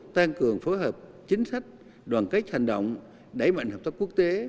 tăng cường phối hợp chính sách đoàn kết hành động đẩy mạnh hợp tác quốc tế